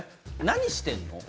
何してんの？